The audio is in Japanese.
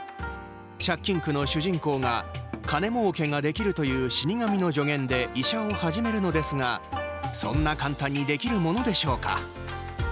借金苦の主人公が金もうけができるという死神の助言で医者を始めるのですがそんな簡単にできるものでしょうか？